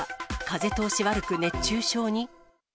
風通し悪く熱中症に？